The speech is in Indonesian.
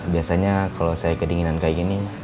biasanya kalau saya kedinginan kayak gini